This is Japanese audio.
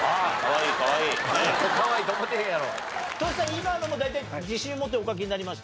今のも大体自信を持ってお書きになりました？